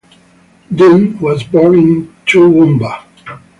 Dunne was born in Toowoomba.